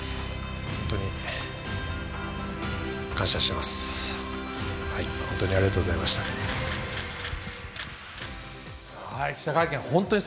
本当に感謝しています。